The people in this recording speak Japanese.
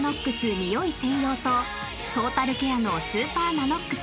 ニオイ専用とトータルケアのスーパーＮＡＮＯＸ